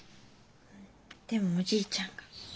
でもおじいちゃんが。